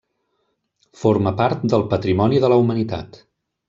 Forma part del Patrimoni de la Humanitat.